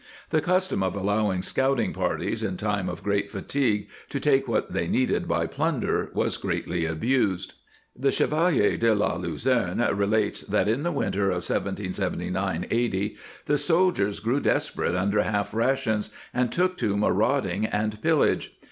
^ The custom of allow ing scouting parties in time of great fatigue to take what they needed by plunder was greatly abused. The Chevalier de la Luzerne relates that in the winter of 1779 80 the soldiers grew des perate under half rations and took to marauding and pillage.